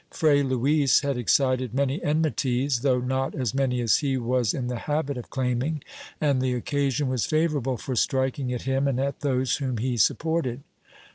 Fray Luis had excited many enmities — though not as many as he was in the habit of claiming — and the occasion was favorable for striking at him and at those whom he supported.